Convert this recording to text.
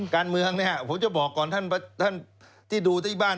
การเมืองเนี่ยผมจะบอกก่อนท่านที่ดูที่บ้าน